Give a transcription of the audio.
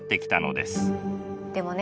でもね